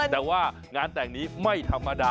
แต่ว่างานแต่งนี้ไม่ธรรมดา